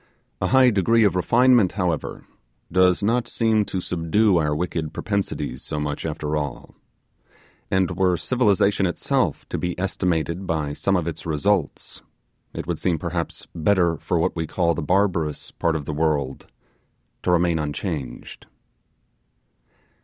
A high degree of refinement, however, does not seem to subdue our wicked propensities so much after all; and were civilization itself to be estimated by some of its results, it would seem perhaps better for what we call the barbarous part of the world to remain unchanged.